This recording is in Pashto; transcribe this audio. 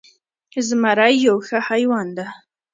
زمری یو ښه حیوان ده